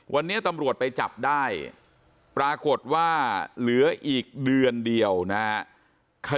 วันนี้ตำรวจไปจับได้ปรากฏว่าเหลืออีกเดือนเดียวนะครับ